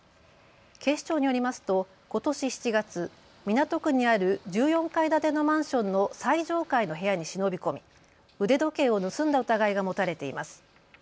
警視庁によりますとことし７月、港区にある１４階建てのマンションの最上階の部屋に忍び込み、腕時計を盗んだ疑いが持たれています。